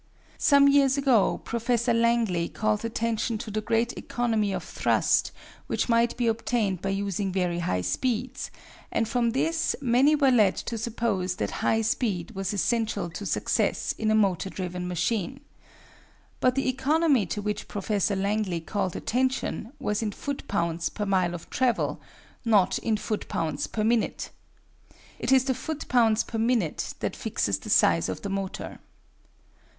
Some years ago Professor Langley called attention to the great economy of thrust which might be obtained by using very high speeds, and from this many were led to suppose that high speed was essential to success in a motor driven machine. But the economy to which Professor Langley called attention was in foot pounds per mile of travel, not in foot pounds per minute. It is the foot pounds per minute that fixes the size of the motor.